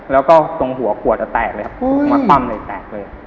แล้วก็ตรงหัวขวดจะแตกเลยครับพุ่งมาคว่ำเลยแตกเลย